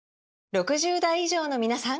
６０代以上のみなさん！